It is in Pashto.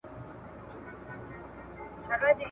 په کندهار کي د پښتو ژبې راډیوګاني څه خپروي؟